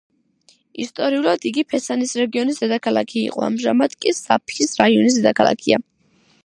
ისტორიულად იგი ფეცანის რეგიონის დედაქალაქი იყო, ამჟამად კი საბჰის რაიონის დედაქალაქია.